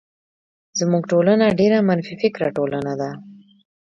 زمونږ ټولنه ډيره منفی فکره ټولنه ده.